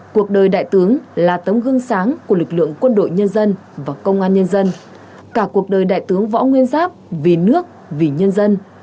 cuộc đời đại tướng là tấm gương sáng của lực lượng quân đội nhân dân và công an nhân dân cả cuộc đời đại tướng võ nguyên giáp vì nước vì nhân dân